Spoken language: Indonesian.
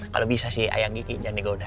kalau bisa sih ayang gigi jangan digodain